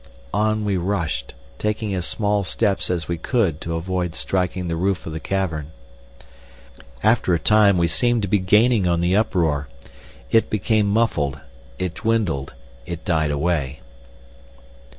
On we rushed, taking as small steps as we could to avoid striking the roof of the cavern. After a time we seemed to be gaining on the uproar. It became muffled, it dwindled, it died away.